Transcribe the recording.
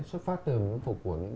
xuất phát từ phục của những